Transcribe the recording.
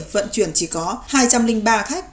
vận chuyển chỉ có hai trăm linh ba khách